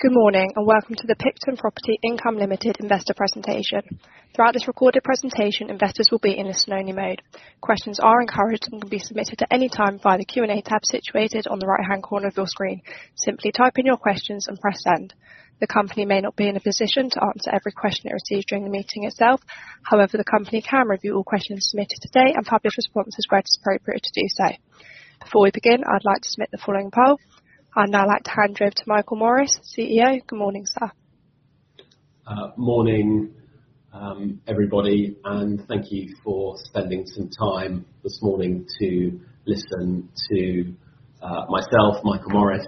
Good morning, and welcome to the Picton Property Income Limited Investor Presentation. Throughout this recorded presentation, investors will be in a listening mode. Questions are encouraged and can be submitted at any time via the Q and A tab situated on the right-hand corner of your screen. Simply type in your questions and press Send. The company may not be in a position to answer every question it receives during the meeting itself. However, the company can review all questions submitted today and publish responses where it is appropriate to do so. Before we begin, I'd like to submit the following poll. I'd now like to hand you over to Michael Morris, CEO. Good morning, sir. Morning, everybody, and thank you for spending some time this morning to listen to myself, Michael Morris,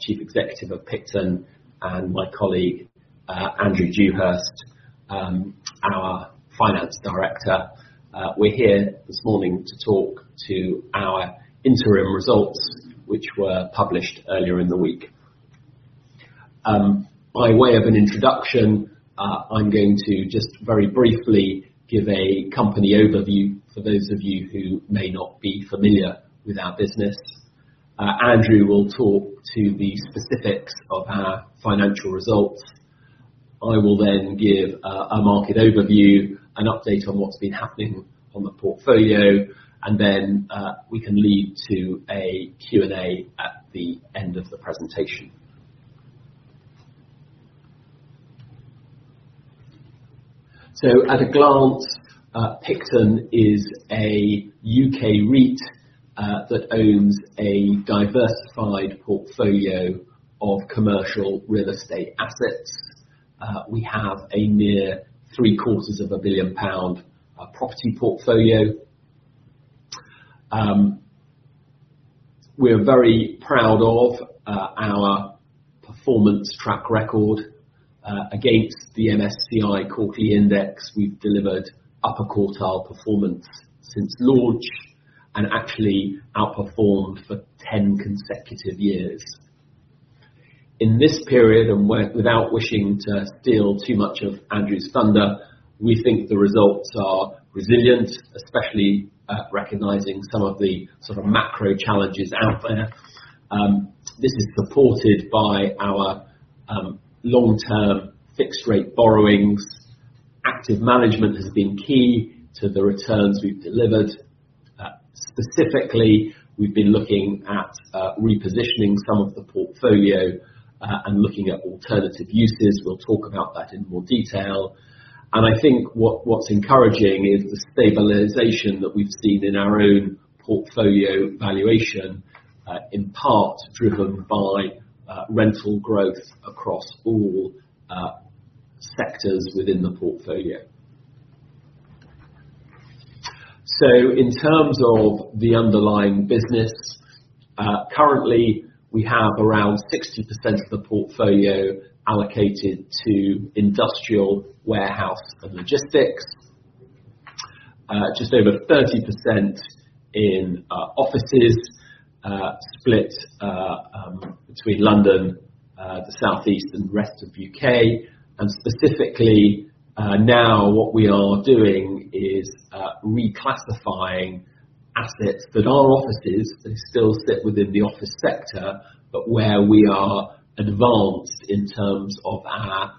Chief Executive of Picton, and my colleague, Andrew Dewhirst, our Finance Director. We're here this morning to talk to our interim results, which were published earlier in the week. By way of an introduction, I'm going to just very briefly give a company overview for those of you who may not be familiar with our business. Andrew will talk to the specifics of our financial results. I will then give a market overview, an update on what's been happening on the portfolio, and then we can lead to a Q and A at the end of the presentation. So at a glance, Picton is a UK REIT that owns a diversified portfolio of commercial real estate assets. We have nearly 750 million pound property portfolio. We're very proud of our performance track record. Against the MSCI UK Quarterly Property Index, we've delivered upper quartile performance since launch, and actually outperformed for 10 consecutive years. In this period, and without wishing to steal too much of Andrew's thunder, we think the results are resilient, especially at recognizing some of the sort of macro challenges out there. This is supported by our long-term fixed rate borrowings. Active management has been key to the returns we've delivered. Specifically, we've been looking at repositioning some of the portfolio, and looking at alternative uses. We'll talk about that in more detail. I think what's encouraging is the stabilization that we've seen in our own portfolio valuation, in part driven by rental growth across all sectors within the portfolio. So in terms of the underlying business, currently, we have around 60% of the portfolio allocated to industrial warehouse and logistics. Just over 30% in offices, split between London, the Southeast, and the rest of the U.K. And specifically, now what we are doing is reclassifying assets that are offices, they still sit within the office sector, but where we are advanced in terms of our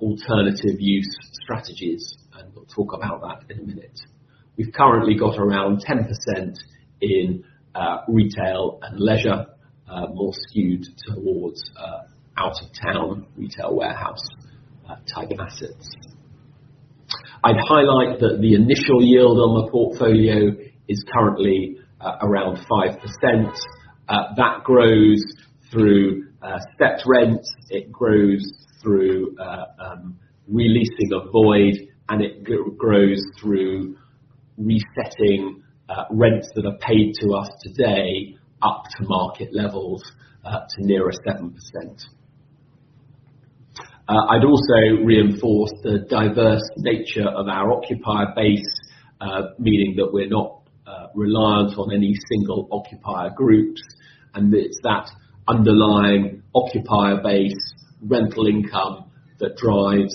alternative use strategies, and we'll talk about that in a minute. We've currently got around 10% in retail and leisure, more skewed towards out of town retail warehouse type assets. I'd highlight that the initial yield on the portfolio is currently around 5%. That grows through set rent, it grows through re-leasing a void, and it grows through resetting rents that are paid to us today, up to market levels, to nearer 7%. I'd also reinforce the diverse nature of our occupier base, meaning that we're not reliant on any single occupier group, and it's that underlying occupier base rental income that drives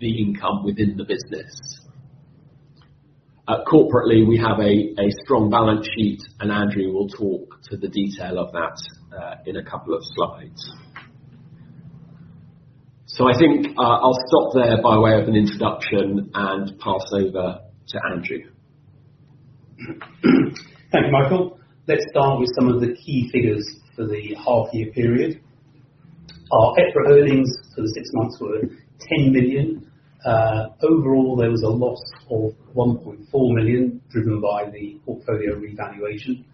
the income within the business. Corporately, we have a strong balance sheet, and Andrew will talk to the detail of that in a couple of slides. So I think I'll stop there by way of an introduction and pass over to Andrew. Thank you, Michael. Let's start with some of the key figures for the half year period. Our EPRA earnings for the six months were 10 million. Overall, there was a loss of 1.4 million, driven by the portfolio revaluation.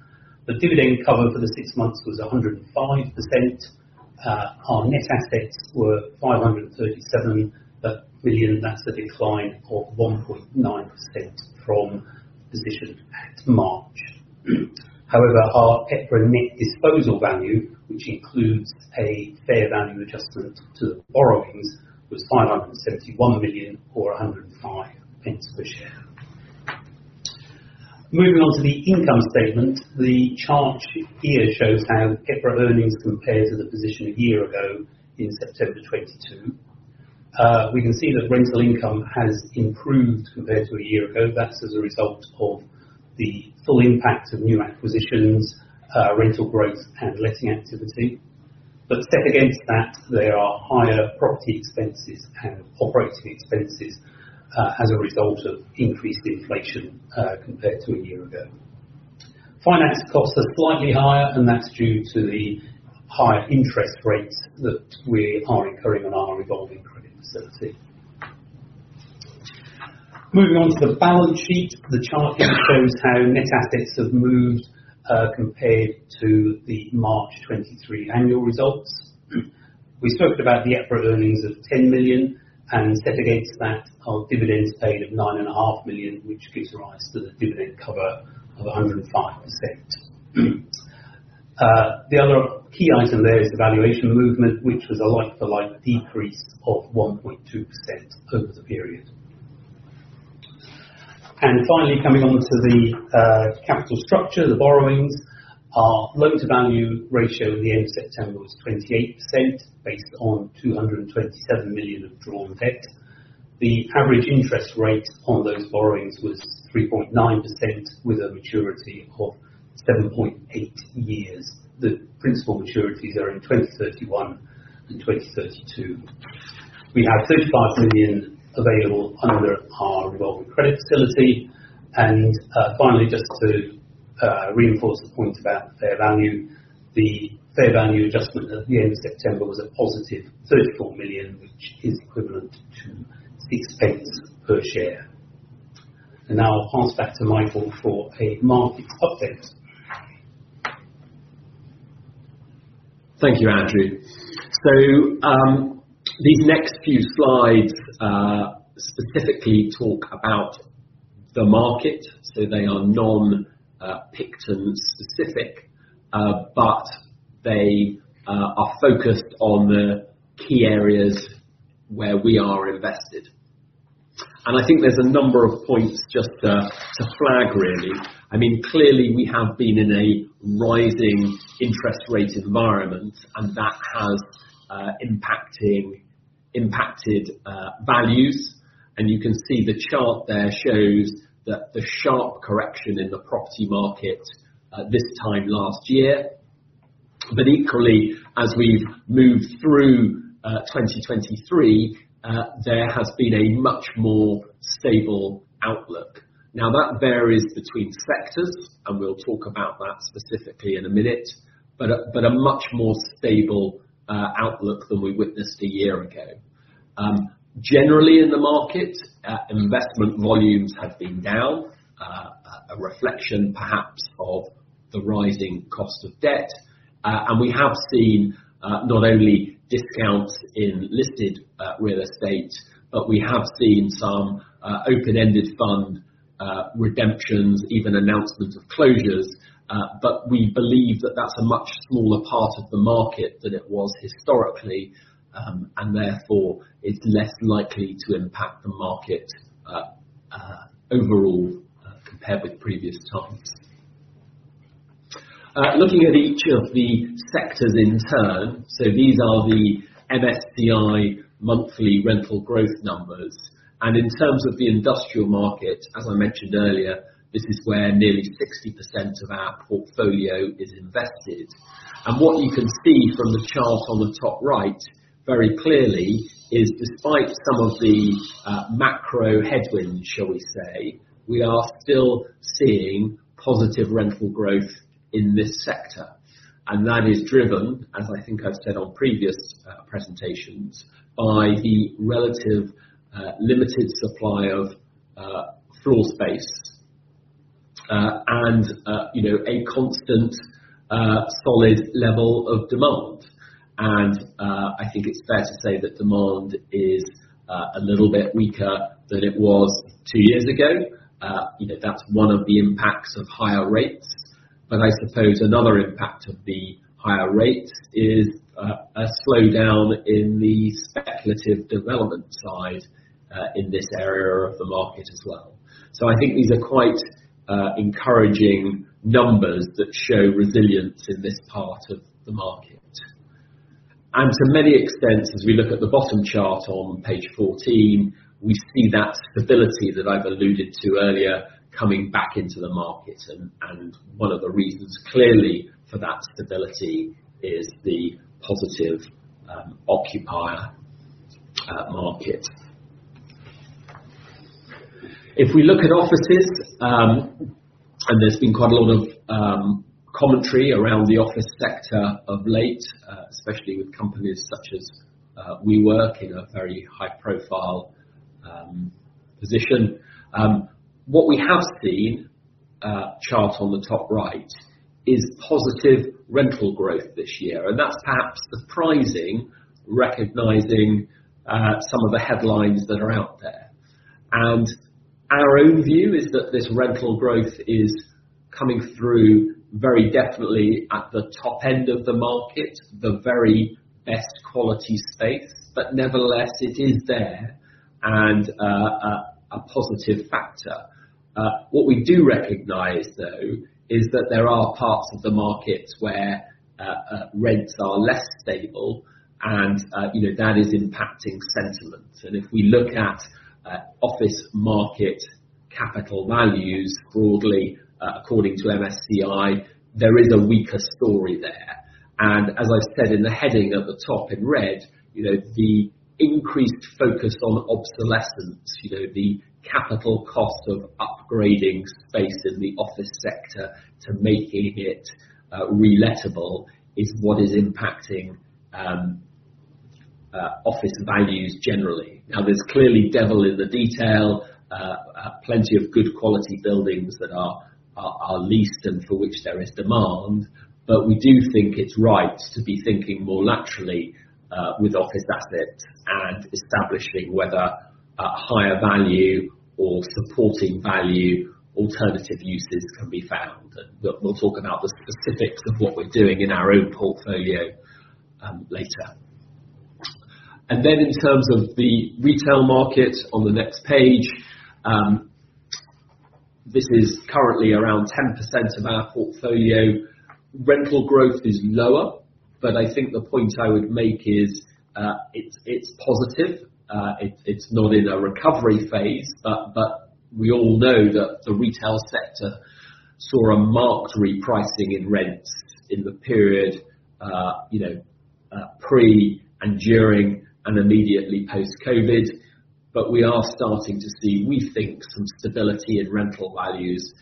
The dividend cover for the six months was 105%. Our net assets were 537 million. That's a decline of 1.9% from the position at March. However, our EPRA Net Disposal Value, which includes a fair value adjustment to the borrowings, was 571 million, or 105 pence per share. Moving on to the income statement, the chart here shows how EPRA earnings compare to the position a year ago, in September 2022. We can see that rental income has improved compared to a year ago. That's as a result of the full impact of new acquisitions, rental growth, and letting activity. But set against that, there are higher property expenses and operating expenses, as a result of increased inflation, compared to a year ago. Finance costs are slightly higher, and that's due to the higher interest rates that we are incurring on our revolving credit facility. Moving on to the balance sheet, the chart here shows how net assets have moved, compared to the March 2023 annual results. We spoke about the EPRA earnings of 10 million, and set against that, our dividends paid of 9.5 million, which gives rise to the dividend cover of 105%. The other key item there is the valuation movement, which was a like for like decrease of 1.2% over the period. And finally, coming on to the capital structure, the borrowings. Our loan-to-value ratio at the end of September was 28%, based on 227 million of drawn debt. The average interest rate on those borrowings was 3.9%, with a maturity of 7.8 years. The principal maturities are in 2031 and 2032. We have 35 million available under our revolving credit facility, and finally, just to reinforce the point about fair value, the fair value adjustment at the end of September was a positive GBP 34 million, which is equivalent to GBP 0.06 per share. And now I'll pass back to Michael for a market update. Thank you, Andrew. So, these next few slides specifically talk about the market, so they are non-Picton specific, but they are focused on the key areas where we are invested. And I think there's a number of points just to flag, really. I mean, clearly, we have been in a rising interest rate environment, and that has impacted values. And you can see the chart there shows that the sharp correction in the property market at this time last year. But equally, as we've moved through 2023, there has been a much more stable outlook. Now, that varies between sectors, and we'll talk about that specifically in a minute, but a much more stable outlook than we witnessed a year ago. Generally in the market, investment volumes have been down, a reflection perhaps of the rising cost of debt. We have seen not only discounts in listed real estate, but we have seen some open-ended fund redemptions, even announcements of closures. We believe that that's a much smaller part of the market than it was historically, and therefore it's less likely to impact the market overall, compared with previous times. Looking at each of the sectors in turn, so these are the MSCI monthly rental growth numbers, and in terms of the industrial market, as I mentioned earlier, this is where nearly 60% of our portfolio is invested. What you can see from the chart on the top right, very clearly, is despite some of the macro headwind, shall we say, we are still seeing positive rental growth in this sector. That is driven, as I think I've said on previous presentations, by the relative limited supply of floor space and you know a constant solid level of demand. I think it's fair to say that demand is a little bit weaker than it was two years ago. You know, that's one of the impacts of higher rates. I suppose another impact of the higher rates is a slowdown in the speculative development side in this area of the market as well. I think these are quite encouraging numbers that show resilience in this part of the market. To many extents, as we look at the bottom chart on page 14, we see that stability that I've alluded to earlier, coming back into the market, and one of the reasons clearly for that stability is the positive occupier market. If we look at offices, and there's been quite a lot of commentary around the office sector of late, especially with companies such as WeWork, in a very high-profile position. What we have seen, chart on the top right, is positive rental growth this year, and that's perhaps surprising, recognizing some of the headlines that are out there. And our own view is that this rental growth is coming through very definitely at the top end of the market, the very best quality space, but nevertheless, it is there... and a positive factor. What we do recognize, though, is that there are parts of the market where rents are less stable and, you know, that is impacting sentiment. And if we look at office market capital values broadly, according to MSCI, there is a weaker story there. And as I said in the heading at the top in red, you know, the increased focus on obsolescence, you know, the capital cost of upgrading space in the office sector to making it relettable, is what is impacting office values generally. Now, there's clearly devil in the detail. Plenty of good quality buildings that are leased and for which there is demand, but we do think it's right to be thinking more laterally with office assets and establishing whether a higher value or supporting value, alternative uses can be found. We'll, we'll talk about the specifics of what we're doing in our own portfolio, later. Then, in terms of the retail market on the next page, this is currently around 10% of our portfolio. Rental growth is lower, but I think the point I would make is, it's, it's positive. It, it's not in a recovery phase, but, but we all know that the retail sector saw a marked repricing in rents in the period, you know, pre and during and immediately post-COVID. But we are starting to see, we think, some stability in rental values,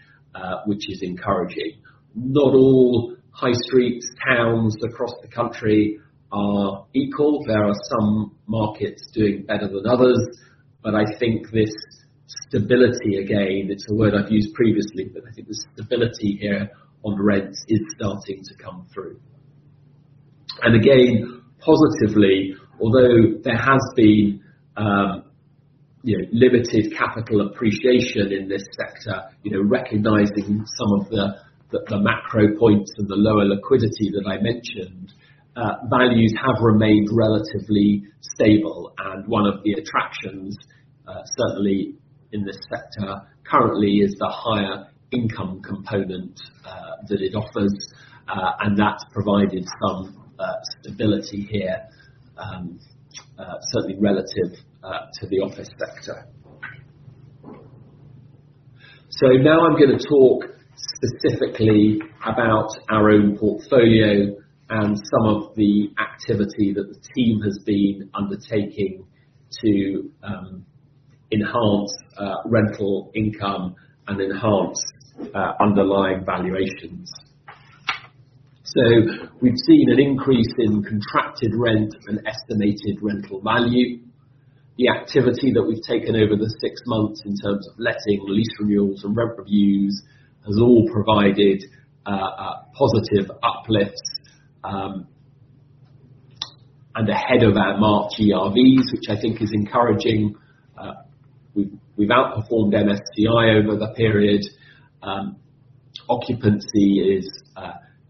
which is encouraging. Not all high streets, towns across the country are equal. There are some markets doing better than others, but I think this stability, again, it's a word I've used previously, but I think the stability here on rents is starting to come through. And again, positively, although there has been, you know, limited capital appreciation in this sector, you know, recognizing some of the macro points of the lower liquidity that I mentioned, values have remained relatively stable. And one of the attractions, certainly in this sector, currently, is the higher income component that it offers, and that's provided some stability here, certainly relative to the office sector. So now I'm gonna talk specifically about our own portfolio and some of the activity that the team has been undertaking to enhance rental income and enhance underlying valuations. So we've seen an increase in contracted rent and estimated rental value. The activity that we've taken over the six months in terms of letting, lease renewals, and rent reviews has all provided a positive uplift and ahead of our market ERVs, which I think is encouraging. We've outperformed MSCI over the period. Occupancy is,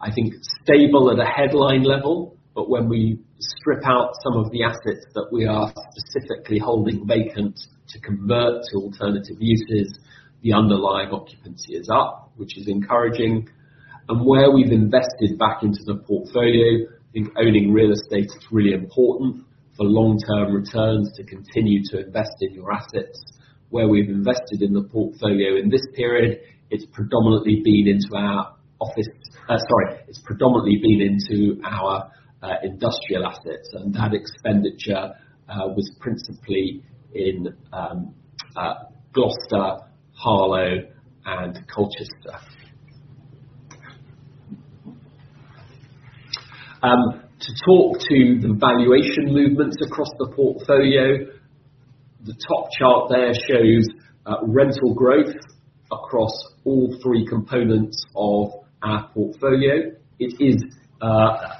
I think, stable at a headline level, but when we strip out some of the assets that we are specifically holding vacant to convert to alternative uses, the underlying occupancy is up, which is encouraging. And where we've invested back into the portfolio, I think owning real estate is really important for long-term returns to continue to invest in your assets. Where we've invested in the portfolio in this period, it's predominantly been into our office... Sorry, it's predominantly been into our industrial assets, and that expenditure was principally in Gloucester, Harlow and Colchester. To talk to the valuation movements across the portfolio, the top chart there shows rental growth across all three components of our portfolio. It is,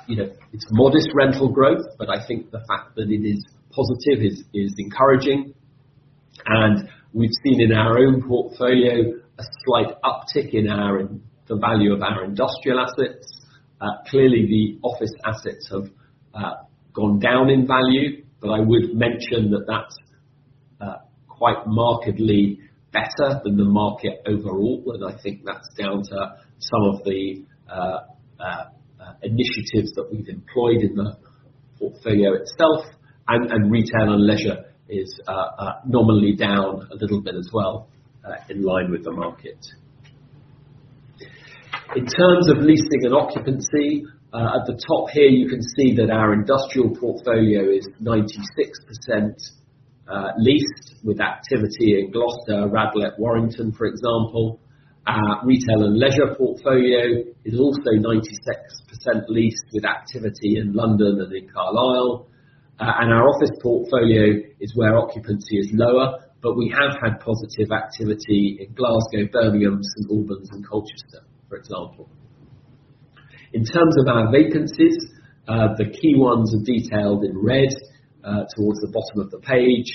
you know, it's modest rental growth, but I think the fact that it is positive is encouraging. And we've seen in our own portfolio a slight uptick in the value of our industrial assets. Clearly, the office assets have gone down in value, but I would mention that that's quite markedly better than the market overall. I think that's down to some of the initiatives that we've employed in the portfolio itself, and retail and leisure is nominally down a little bit as well, in line with the market. In terms of leasing and occupancy, at the top here, you can see that our industrial portfolio is 96% leased, with activity in Gloucester, Radlett, Warrington, for example. Our retail and leisure portfolio is also 96% leased, with activity in London and in Carlisle. And our office portfolio is where occupancy is lower, but we have had positive activity in Glasgow, Birmingham, St Albans and Colchester, for example. In terms of our vacancies, the key ones are detailed in red, towards the bottom of the page.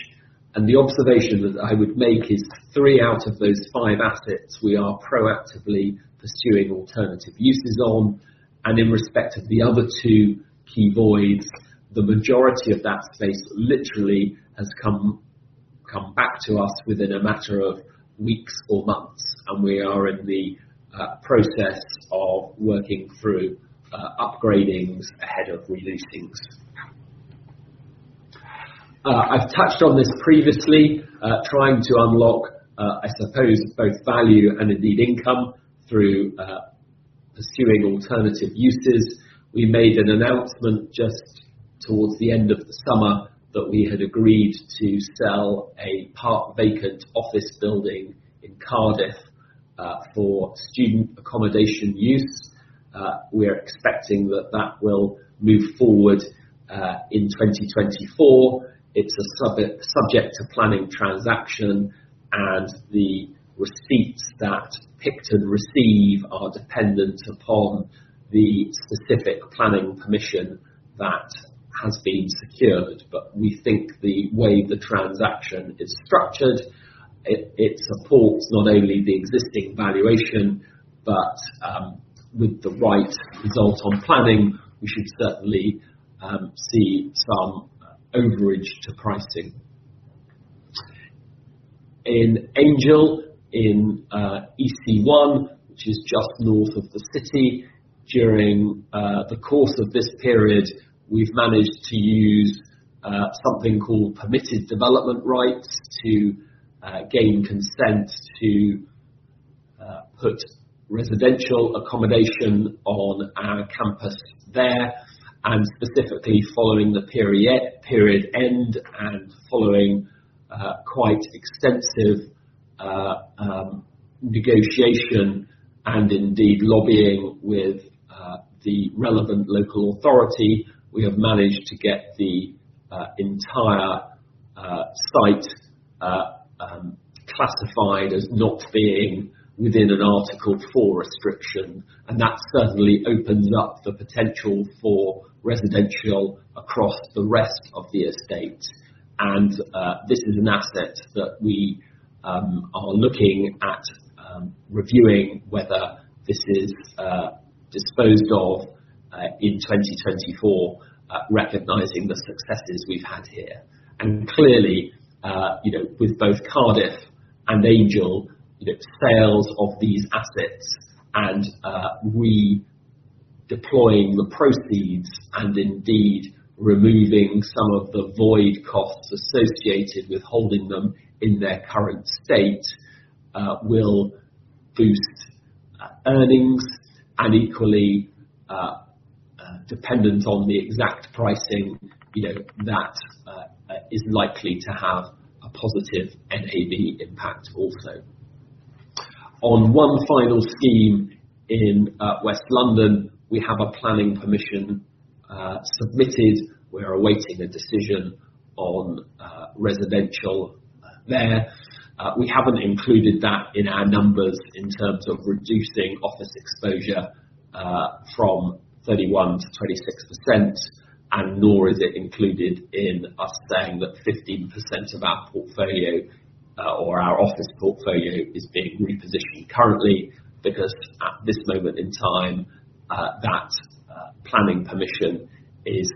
The observation that I would make is three out of those five assets we are proactively pursuing alternative uses on, and in respect of the other two key voids, the majority of that space literally has come back to us within a matter of weeks or months, and we are in the process of working through upgrades ahead of relettings. I've touched on this previously, trying to unlock, I suppose, both value and indeed income through pursuing alternative uses. We made an announcement just towards the end of the summer that we had agreed to sell a part vacant office building in Cardiff for student accommodation use. We are expecting that that will move forward in 2024. It's a subject to planning transaction, and the receipts that Picton receive are dependent upon the specific planning permission that has been secured. But we think the way the transaction is structured, it supports not only the existing valuation, but with the right result on planning, we should certainly see some overage to pricing. In Angel, EC1, which is just north of the city, during the course of this period, we've managed to use something called Permitted Development Rights, to gain consent to put residential accommodation on our campus there. And specifically following the period end and following quite extensive negotiation and indeed lobbying with the relevant local authority, we have managed to get the entire site classified as not being within an Article 4 restriction, and that certainly opens up the potential for residential across the rest of the estate. This is an asset that we are looking at reviewing whether this is disposed of in 2024, recognizing the successes we've had here. Clearly, you know, with both Cardiff and Angel, you know, sales of these assets and we deploying the proceeds and indeed removing some of the void costs associated with holding them in their current state, will boost earnings and equally dependent on the exact pricing, you know, that is likely to have a positive NAV impact also. On one final scheme in West London, we have a planning permission submitted. We are awaiting a decision on residential there. We haven't included that in our numbers in terms of reducing office exposure, from 31% to 26%, and nor is it included in us saying that 15% of our portfolio, or our office portfolio is being repositioned currently, because at this moment in time, that, planning permission is,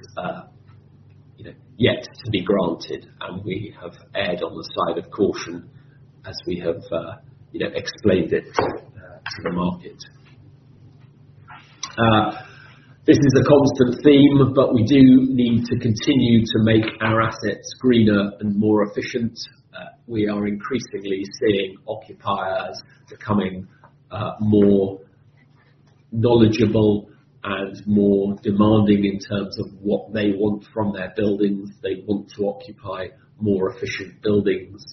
you know, yet to be granted, and we have erred on the side of caution as we have, you know, explained it, to the market. This is a constant theme, but we do need to continue to make our assets greener and more efficient. We are increasingly seeing occupiers becoming, more knowledgeable and more demanding in terms of what they want from their buildings. They want to occupy more efficient buildings.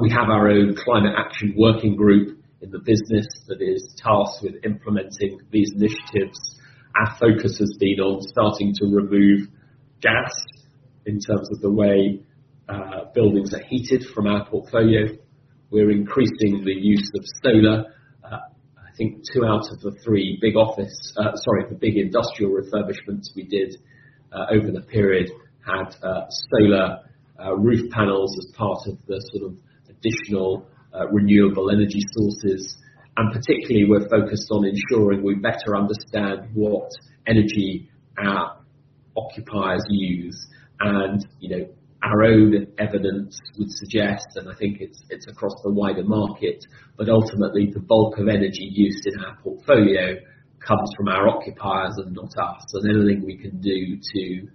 We have our own Climate Action Working Group in the business, that is tasked with implementing these initiatives. Our focus has been on starting to remove gas, in terms of the way, buildings are heated from our portfolio. We're increasing the use of solar. I think two out of the three big office, sorry, the big industrial refurbishments we did, over the period had, solar, roof panels as part of the sort of additional, renewable energy sources, and particularly, we're focused on ensuring we better understand what energy our occupiers use. And, you know, our own evidence would suggest, and I think it's, it's across the wider market, but ultimately the bulk of energy use in our portfolio comes from our occupiers and not us. So anything we can do to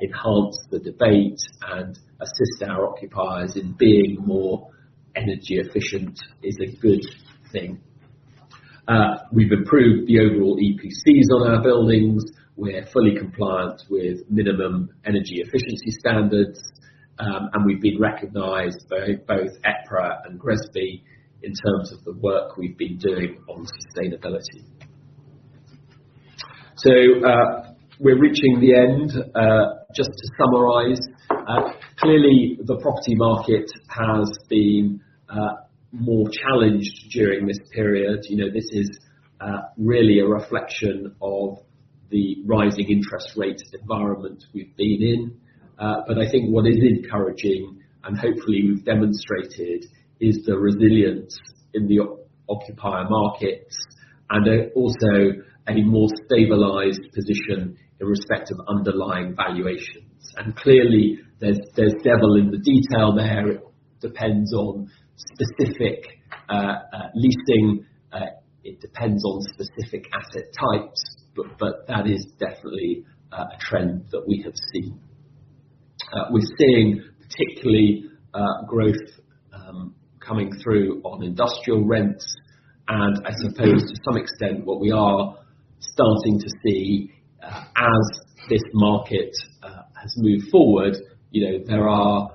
enhance the debate and assist our occupiers in being more energy efficient is a good thing. We've improved the overall EPCs on our buildings. We're fully compliant with minimum energy efficiency standards, and we've been recognized by both EPRA and GRESB in terms of the work we've been doing on sustainability. So, we're reaching the end. Just to summarize, clearly the property market has been more challenged during this period. You know, this is really a reflection of the rising interest rate environment we've been in. But I think what is encouraging, and hopefully we've demonstrated, is the resilience in the occupier markets and also a more stabilized position in respect of underlying valuations. Clearly, there's devil in the detail there. It depends on specific leasing. It depends on specific asset types, but that is definitely a trend that we have seen. We're seeing particularly growth coming through on industrial rents, and I suppose- Mm-hmm. -to some extent, what we are starting to see, as this market has moved forward, you know, there are,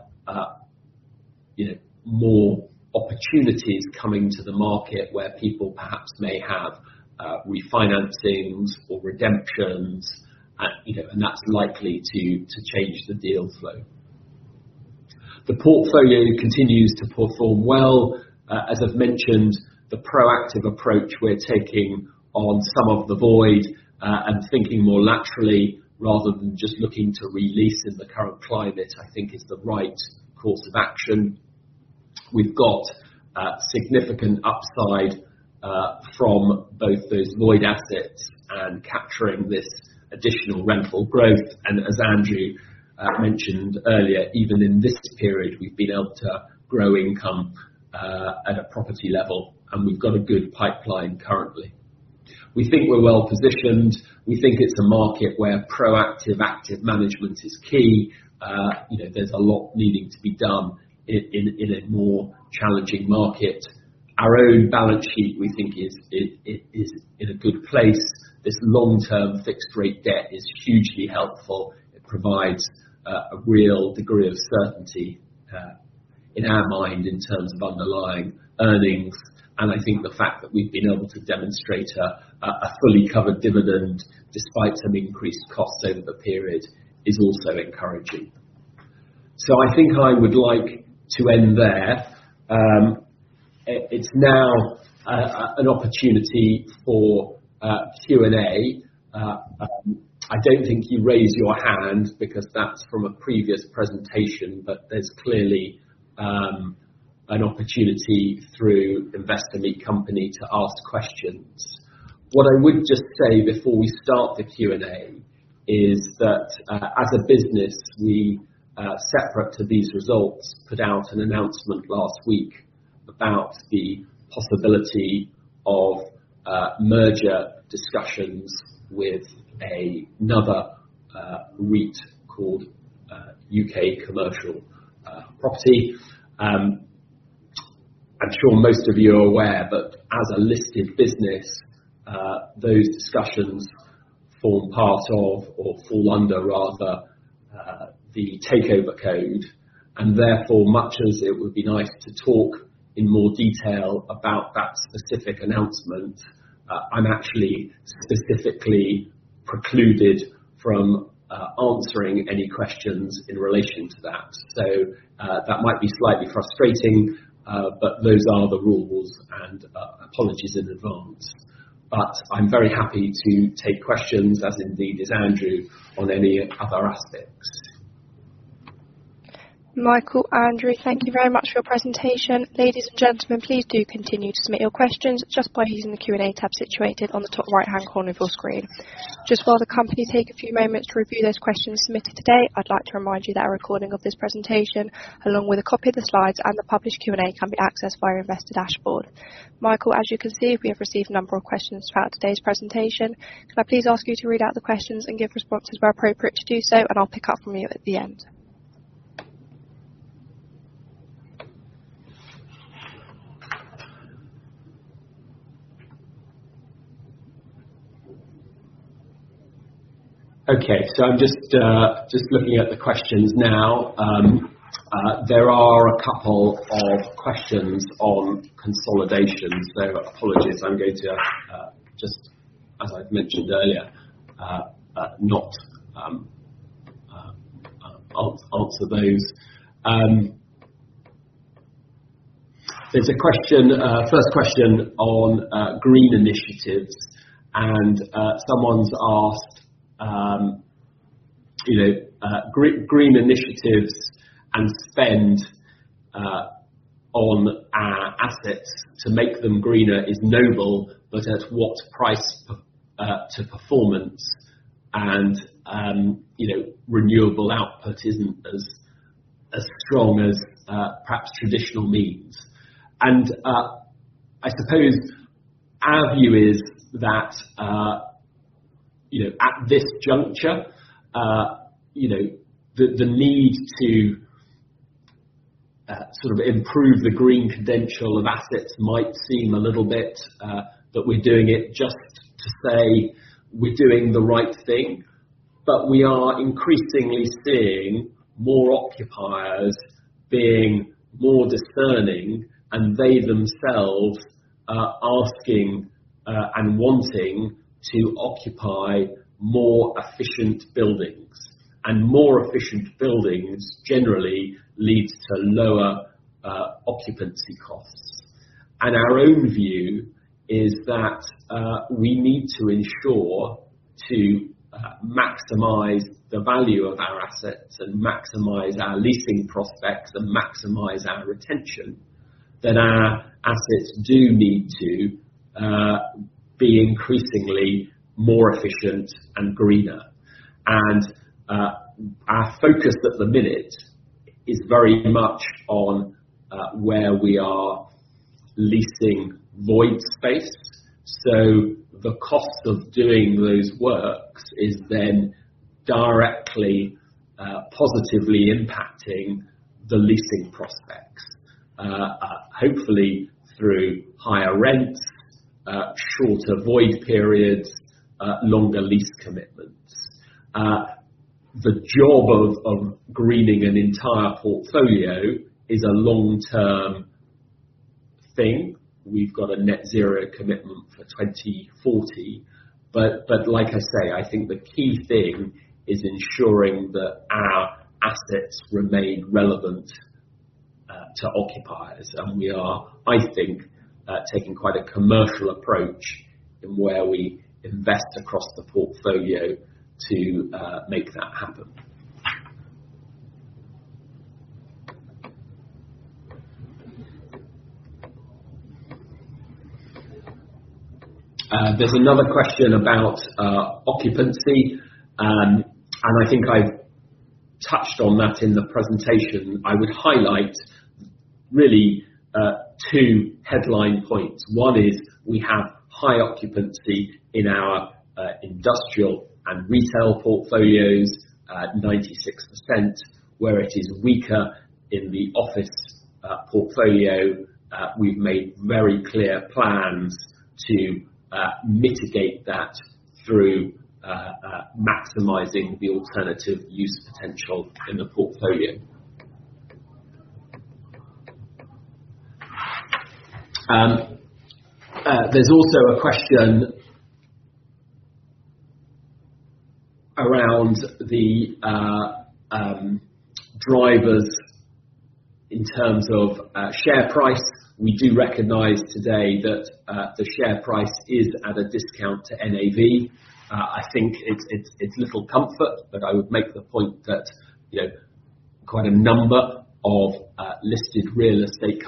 you know, more opportunities coming to the market where people perhaps may have, refinancings or redemptions, and, you know, and that's likely to, to change the deal flow. The portfolio continues to perform well. As I've mentioned, the proactive approach we're taking on some of the void, and thinking more laterally, rather than just looking to re-lease in the current climate, I think is the right course of action. We've got, significant upside, from both those void assets and capturing this additional rental growth. And as Andrew, mentioned earlier, even in this period, we've been able to grow income, at a property level, and we've got a good pipeline currently. We think we're well positioned. We think it's a market where proactive active management is key. You know, there's a lot needing to be done in a more challenging market. Our own balance sheet, we think is in a good place. This long-term fixed rate debt is hugely helpful. It provides a real degree of certainty in our mind in terms of underlying earnings, and I think the fact that we've been able to demonstrate a fully covered dividend despite some increased costs over the period is also encouraging. So I think I would like to end there. It's now an opportunity for Q and A. I don't think you raise your hand, because that's from a previous presentation, but there's clearly an opportunity through Investor Meet Company to ask questions. What I would just say before we start the Q and A, is that, as a business, we, separate to these results, put out an announcement last week about the possibility of, merger discussions with another, REIT called, UK Commercial Property. I'm sure most of you are aware, but as a listed business, those discussions form part of or fall under, rather, the Takeover Code, and therefore, much as it would be nice to talk in more detail about that specific announcement, I'm actually specifically precluded from, answering any questions in relation to that. So, that might be slightly frustrating, but those are the rules, and, apologies in advance. But I'm very happy to take questions, as indeed is Andrew, on any other aspects. Michael, Andrew, thank you very much for your presentation. Ladies and gentlemen, please do continue to submit your questions just by using the Q and A tab situated on the top right-hand corner of your screen. Just while the company take a few moments to review those questions submitted today, I'd like to remind you that a recording of this presentation, along with a copy of the slides and the published Q and A, can be accessed via Investor Dashboard. Michael, as you can see, we have received a number of questions throughout today's presentation. Can I please ask you to read out the questions and give responses where appropriate to do so, and I'll pick up from you at the end? Okay. So I'm just just looking at the questions now. There are a couple of questions on consolidation, so apologies, I'm going to just as I've mentioned earlier not answer those. There's a question, first question on green initiatives, and someone's asked, you know, green initiatives and spend on our assets to make them greener is noble, but at what price to performance? And you know, renewable output isn't as strong as perhaps traditional means. I suppose our view is that, you know, at this juncture, you know, the need to sort of improve the green credential of assets might seem a little bit that we're doing it just to say we're doing the right thing, but we are increasingly seeing more occupiers being more discerning, and they themselves are asking and wanting to occupy more efficient buildings. More efficient buildings generally leads to lower occupancy costs. Our own view is that we need to ensure to maximize the value of our assets, and maximize our leasing prospects, and maximize our retention, then our assets do need to be increasingly more efficient and greener. Our focus at the minute is very much on where we are leasing void space. So the cost of doing those works is then directly, positively impacting the leasing prospects, hopefully through higher rents, shorter void periods, longer lease commitments. The job of greening an entire portfolio is a long-term thing. We've got a net zero commitment for 2040, but like I say, I think the key thing is ensuring that our assets remain relevant to occupiers. And we are, I think, taking quite a commercial approach in where we invest across the portfolio to make that happen. There's another question about occupancy, and I think I touched on that in the presentation. I would highlight really two headline points. One is, we have high occupancy in our industrial and retail portfolios at 96%, where it is weaker in the office portfolio. We've made very clear plans to maximize that through maximizing the alternative use potential in the portfolio. There's also a question around the drivers in terms of share price. We do recognize today that the share price is at a discount to NAV. I think it's little comfort, but I would make the point that, you know, quite a number of listed real estate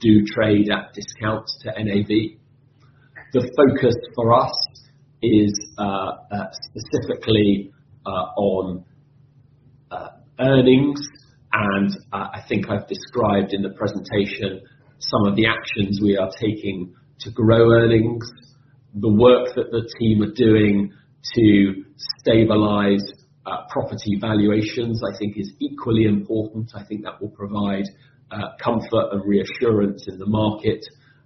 companies do trade at discounts to NAV. The focus for us is specifically on earnings, and I think I've described in the presentation some of the actions we are taking to grow earnings. The work that the team are doing to stabilize property valuations, I think is equally important. I think that will provide comfort and reassurance in the market.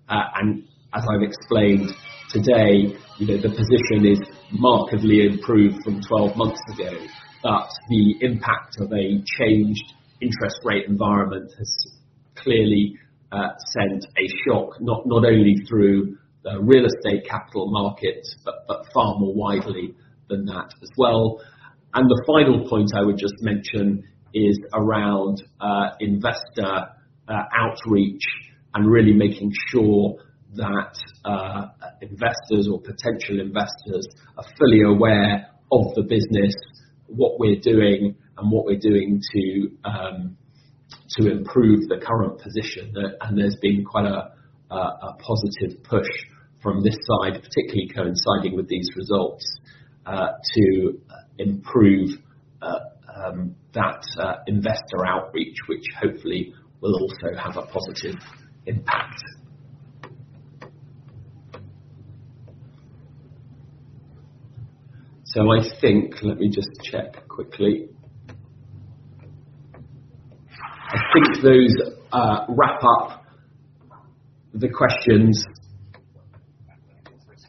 And as I've explained today, you know, the position is markedly improved from 12 months ago, but the impact of a changed interest rate environment has clearly sent a shock, not only through the real estate capital markets, but far more widely than that as well. And the final point I would just mention is around investor outreach, and really making sure that investors or potential investors are fully aware of the business, what we're doing, and what we're doing to improve the current position. And there's been quite a positive push from this side, particularly coinciding with these results, to improve that investor outreach, which hopefully will also have a positive impact. So I think... Let me just check quickly. I think those wrap up the questions.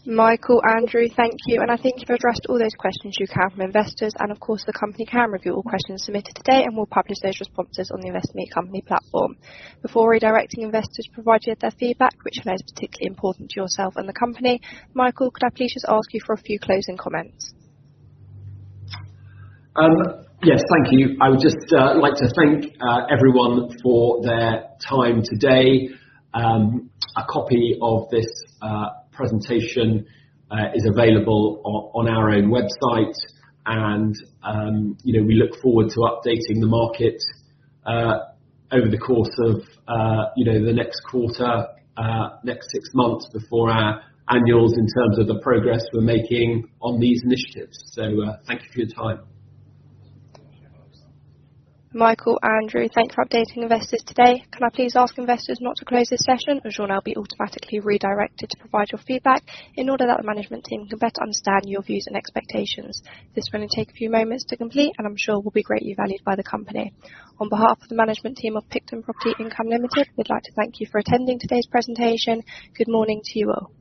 Michael, Andrew, thank you. And I think you've addressed all those questions you have from investors, and of course, the company can review all questions submitted today, and we'll publish those responses on the Investor Meet Company platform. Before redirecting investors to provide you with their feedback, which is particularly important to yourself and the company, Michael, could I please just ask you for a few closing comments? Yes, thank you. I would just like to thank everyone for their time today. A copy of this presentation is available on our own website, and, you know, we look forward to updating the market over the course of, you know, the next quarter, next six months before our annuals in terms of the progress we're making on these initiatives. So, thank you for your time. Michael, Andrew, thank you for updating investors today. Can I please ask investors not to close this session, as you'll now be automatically redirected to provide your feedback in order that the management team can better understand your views and expectations. This will only take a few moments to complete, and I'm sure will be greatly valued by the company. On behalf of the management team of Picton Property Income Limited, we'd like to thank you for attending today's presentation. Good morning to you all.